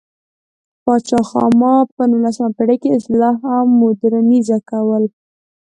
پاچا خاما په نولسمه پېړۍ کې اصلاح او مودرنیزه کول و.